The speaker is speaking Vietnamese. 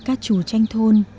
các trù tranh thôn